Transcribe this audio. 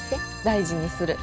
大事にする。